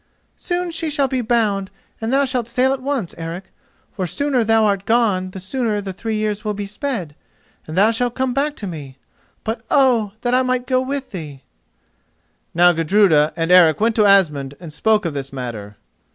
Soon she shall be bound and thou shalt sail at once, Eric: for the sooner thou art gone the sooner the three years will be sped, and thou shalt come back to me. But, oh! that I might go with thee." Now Gudruda and Eric went to Asmund and spoke of this matter.